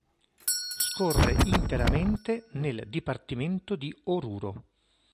Scorre interamente nel Dipartimento di Oruro.